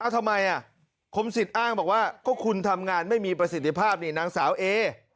ทำไมคมสิทธิ์อ้างบอกว่าก็คุณทำงานไม่มีประสิทธิภาพนี่นางสาวเอ